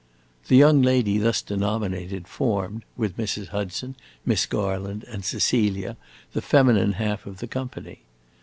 The young lady thus denominated formed, with Mrs. Hudson, Miss Garland, and Cecilia, the feminine half of the company.